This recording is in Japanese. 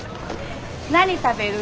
何食べる？